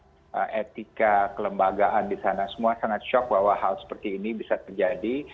dan juga etika kelembagaan di sana semua sangat shok bahwa hal seperti ini bisa terjadi